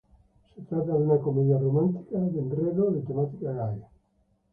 Se trata de una comedia romántica de enredo de temática gay.